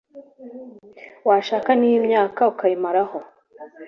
washaka n’iyi myaka ukayimaraho?”